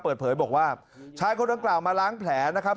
เปิดเผยบอกว่าชายคนดังกล่าวมาล้างแผลนะครับ